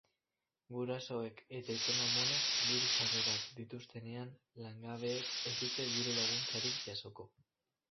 Gurasoek eta aiton-amonek diru-sarrerak dituztenean, langabeek ez dute diru-laguntzarik jasoko.